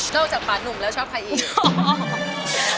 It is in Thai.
จากป่านุ่มแล้วชอบใครอีก